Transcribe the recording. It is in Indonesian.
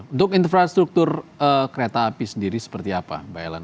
untuk infrastruktur kereta api sendiri seperti apa mbak ellen